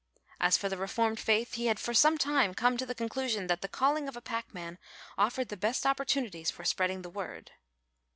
As for the reformed faith he had for some time come to the conclusion that the calling of a packman offered the best opportunities for spreading the word.